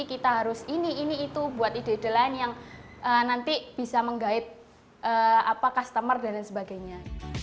kita harus ini ini itu buat ide ide lain yang nanti bisa menggait customer dan lain sebagainya